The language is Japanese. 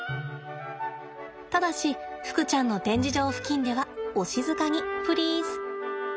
ただしふくちゃんの展示場付近ではお静かにプリーズ。